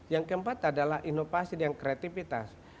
yang keempat adalah inovasi dan kreativitas